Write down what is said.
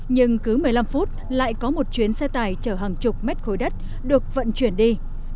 nhưng cứ một mươi năm phút lại có một chuyến xe tải chở hàng chục mét khối đất được vận chuyển đi